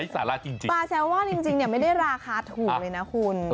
แซลวอนจริงไม่ได้ราคาถูกเลยนะคุณ